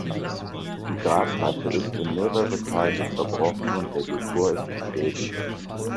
Die Grabplatte ist in mehrere Teile zerbrochen und der Dekor ist beschädigt.